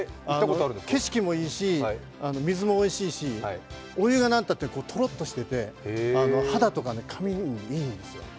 景色もいいし、水もおいしいし、お湯がなんたってとろっとしていて肌とか髪にいいんですよ。